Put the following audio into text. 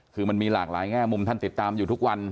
คือมันมีหลากหลายแง่มุมท่านติดตามอยู่ทุกวัน